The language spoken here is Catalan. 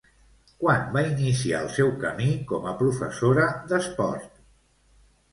Quan va iniciar el seu camí com a professora d'esport?